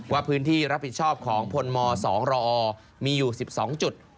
ว่าพื้นที่รับผิดชอบของพลม๒รอมีอยู่๑๒จุด